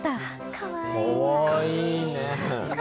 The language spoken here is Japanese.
かわいい！